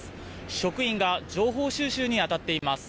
職員が情報収集にあたっています。